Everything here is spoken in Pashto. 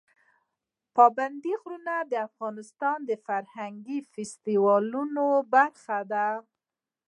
پابندي غرونه د افغانستان د فرهنګي فستیوالونو برخه ده.